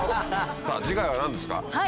さぁ次回は何ですか？